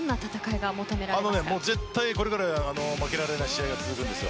ここから絶対負けられない試合が続くんですよ。